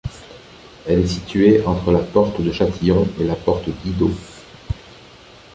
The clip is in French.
Elle est située entre la porte de Châtillon et la porte Didot.